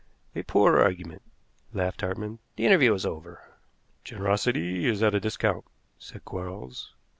"A poor argument," laughed Hartmann. "The interview is over." "Generosity is at a discount," said Quarles.